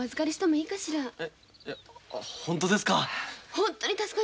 本当ですか？